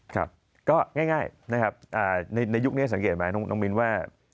ครับก็ง่ายนะครับในยุคนี้สังเกตไหมน้องมินว่า